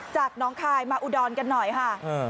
จากน้องคายมาอุดรกันหน่อยค่ะ